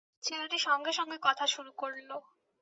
ছেলেটি সঙ্গে-সঙ্গে কথা শুরু করল।